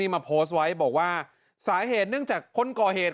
มาโพสต์ไว้บอกว่าสาเหตุเนื่องจากคนก่อเหตุ